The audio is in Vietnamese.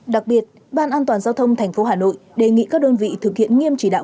đặc biệt ban an toàn giao thông tp hà nội đề nghị các đơn vị thực hiện nghiêm chỉ đạo